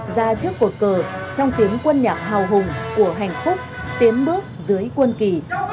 ra trước cột cờ trong tiếng quân nhạc hào hùng của hạnh phúc tiến bước dưới quân kỳ